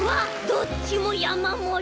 どっちもやまもり。